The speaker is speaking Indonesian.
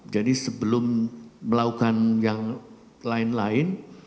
jadi sebelum melakukan yang lain lain